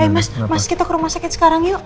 mas mas kita ke rumah sakit sekarang yuk